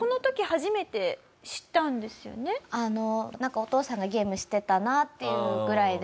これでもなんかお父さんがゲームしてたなっていうぐらいで。